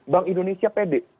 bank indonesia pede